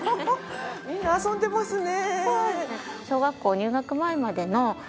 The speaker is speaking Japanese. みんな遊んでますね。